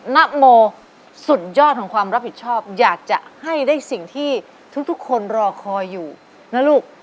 นโมสุดยอดของความรับผิดชอบอยากจะให้ได้สิ่งที่ทุกคนรอคอยอยู่นะลูก